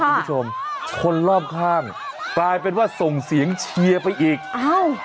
คุณผู้ชมคนรอบข้างกลายเป็นว่าส่งเสียงเชียร์ไปอีกอ้าว